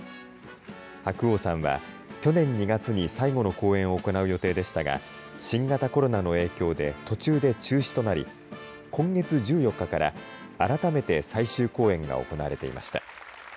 白鵬さんは、去年２月に最後の公演を行う予定でしたが新型コロナの影響で途中で中止となり今月１４日から改めて最終公演が行われていました。